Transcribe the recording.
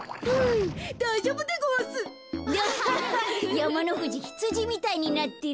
やまのふじひつじみたいになってる。